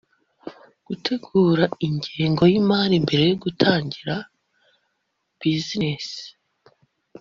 gutegura ingengo yimari mbere yo gutangira business